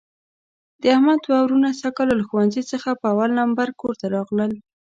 د احمد دوه وروڼه سږ کال له ښوونځي څخه په اول لمبر کورته راغلل.